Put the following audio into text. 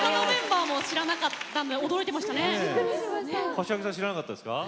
柏木さん知らなかったですか？